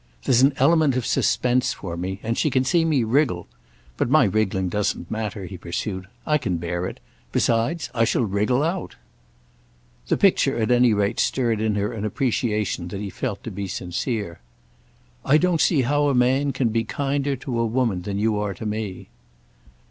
There's an element of suspense for me, and she can see me wriggle. But my wriggling doesn't matter," he pursued. "I can bear it. Besides, I shall wriggle out." The picture at any rate stirred in her an appreciation that he felt to be sincere. "I don't see how a man can be kinder to a woman than you are to me."